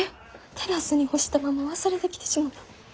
テラスに干したまま忘れてきてしもた。